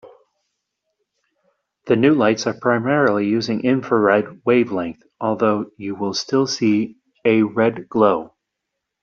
The new lights are primarily using infrared wavelength, although you will still see a red glow.